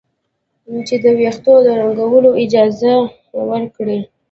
چې د ویښتو د رنګولو اجازه ورکړي.